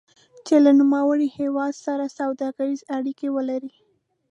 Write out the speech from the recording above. چې له نوموړي هېواد سره سوداګریزې اړیکې ولري.